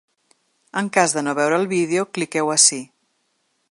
En cas de no veure el vídeo, cliqueu ací.